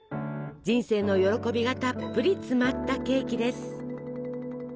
人生の喜びがたっぷり詰まったケーキです！